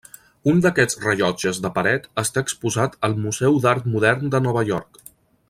Un d'aquests rellotges de paret està exposat al Museu d'Art Modern de Nova York.